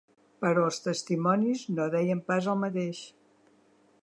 Però els testimonis no deien pas el mateix.